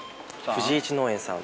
冨士一農園さん。